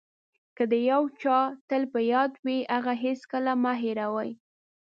که د یو چا تل په یاد وئ هغه هېڅکله مه هیروئ.